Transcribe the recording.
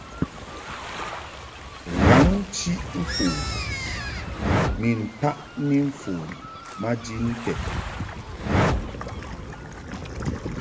Ghǎŋ-chiʼ-mfon ni ntaʼni mfon maji nted.